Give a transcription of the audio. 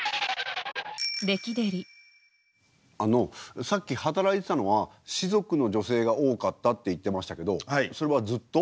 あのさっき働いてたのは士族の女性が多かったって言ってましたけどそれはずっと？